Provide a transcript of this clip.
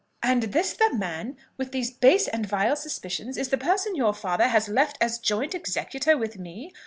"And this man, with these base and vile suspicions, is the person your father has left as joint executor with me!